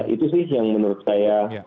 itu sih yang menurut saya